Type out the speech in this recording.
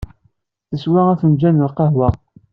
Teswa afenǧal-is n lqahwa.